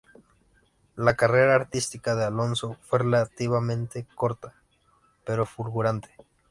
La carrera artística de Alonso fue relativamente corta pero fulgurante.